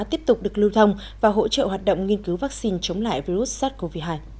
tiếp tục được lưu thông và hỗ trợ hoạt động nghiên cứu vaccine chống lại virus sars cov hai